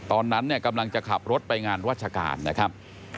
ตอนนั้นเนี่ยกำลังจะขับรถไปงานราชการนะครับ